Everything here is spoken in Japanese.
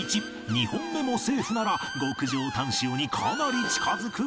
２本目もセーフなら極上タン塩にかなり近づくが